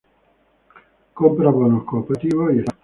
Compra bonos corporativos y estatales.